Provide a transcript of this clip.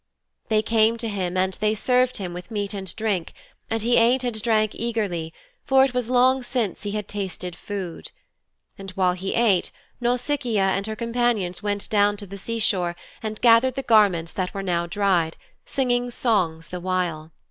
They came to him and they served him with meat and drink and he ate and drank eagerly, for it was long since he had tasted food. And while he ate, Nausicaa and her companions went down to the seashore and gathered the garments that were now dried, singing songs the while.